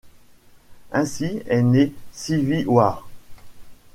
Ainsi est né Civil War.